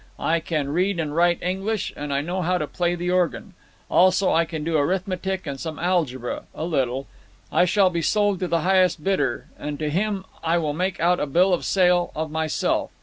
I can read and write English, and I know how to play the organ. Also I can do arithmetic and some algebra—a little. I shall be sold to the highest bidder, and to him I will make out a bill of sale of myself.